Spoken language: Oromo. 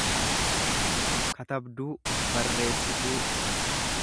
katabduu, barreessituu.